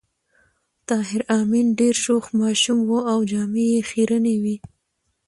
طاهر آمین ډېر شوخ ماشوم و او جامې یې خيرنې وې